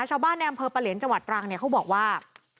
ชาวบ้านในอำเภอปะเหลียนจังหวัดตรังเนี่ยเขาบอกว่า